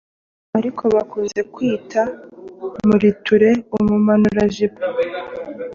arizo bakunze kwita, Muriture, Umumanurajipo,